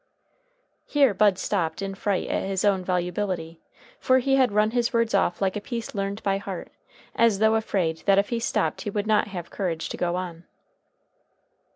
Here Bud stopped in fright at his own volubility, for he had run his words off like a piece learned by heart, as though afraid that if he stopped he would not have courage to go on.